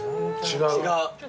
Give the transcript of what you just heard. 違う。